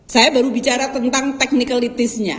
saya baru bicara tentang technicalitiesnya